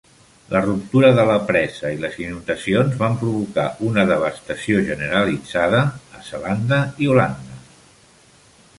La ruptura de la presa i les inundacions van provocar una devastació generalitzada a Zelanda i Holanda.